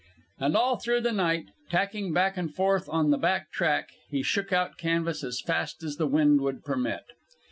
And all through the night, tacking back and forth on the back track, he shook out canvas as fast as the wind would permit.